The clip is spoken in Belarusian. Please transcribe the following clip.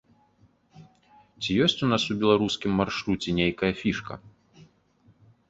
Ці ёсць у нас у беларускім маршруце нейкая фішка?